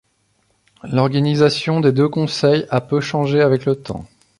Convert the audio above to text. L'organisation des deux Conseils a peu changé avec le temps.